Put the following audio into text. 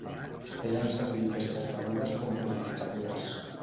Feien servir aquestes begudes com purificadores.